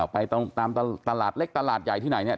ไปตามตลาดเล็กตลาดใหญ่ที่ไหนเนี่ย